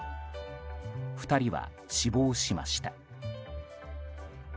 ２人は死亡しました。